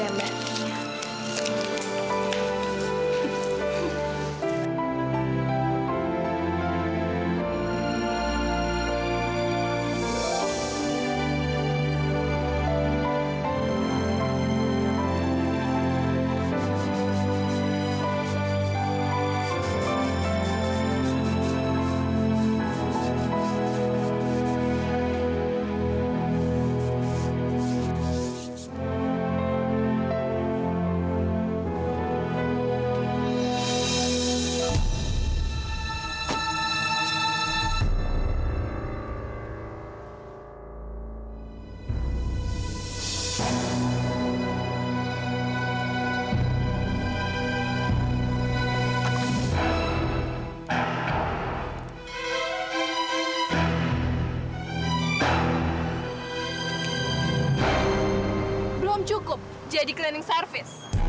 belum cukup jadi cleaning service